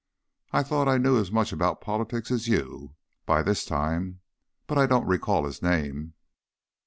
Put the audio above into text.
I thought I knew as much about politics as you, by this time, but I don't recall his name."